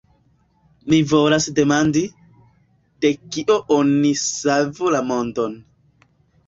Mi volas demandi, de kio oni savu la mondon.